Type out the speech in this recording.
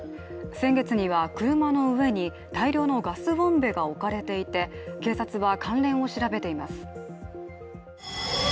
先月には車の上に大量のガスボンベが置かれていて警察は関連を調べています。